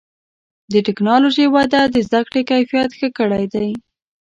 د ټکنالوجۍ وده د زدهکړې کیفیت ښه کړی دی.